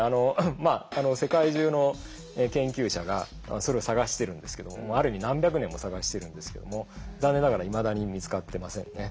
まあ世界中の研究者がそれを探してるんですけどある意味何百年も探してるんですけども残念ながらいまだに見つかってませんね。